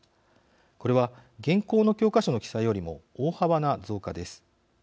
これは現行の教科書の記載よりも大幅な増加です。